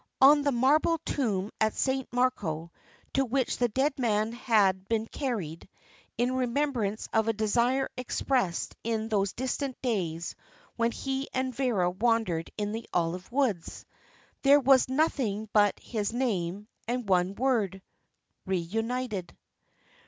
On the marble tomb at San Marco, to which the dead man had been carried in remembrance of a desire expressed in those distant days when he and Vera wandered in the olive woods there was nothing but his name, and one word: "Re united."